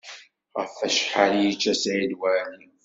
Ɣef wacḥal i yečča Saɛid Waɛli?